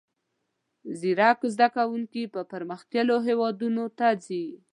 زیرک زده کوونکي پرمختللیو هیوادونو ته ځي.